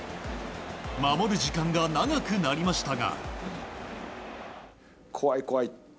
守る時間が長くなりましたが。